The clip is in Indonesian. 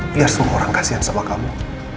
biar semua orang kasihan sama kamu